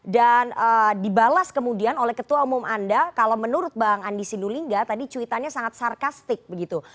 dan dibalas kemudian oleh ketua umum anda kalau menurut bang andi sindulingga tadi cuitannya sangat sarkastik begitu